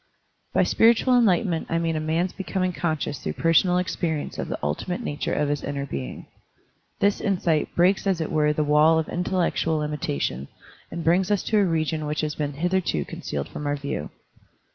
By spiritual enlightenment I mean a man's becoming conscious through personal experience of the ultimate nature of his inner being. This insight breaks as it were the wall of intellectual limitation and brings us to a region which has been hitherto concealed from our view.